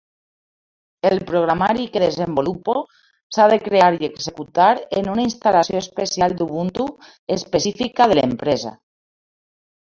El programari que desenvolupo s'ha de crear i executar en una instal·lació especial d'Ubuntu específica de l'empresa.